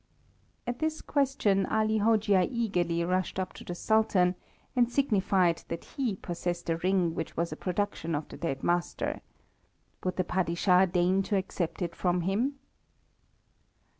At this question, Ali Hojia eagerly rushed up to the Sultan, and signified that he possessed a ring which was a production of the dead master. Would the Padishah deign to accept it from him?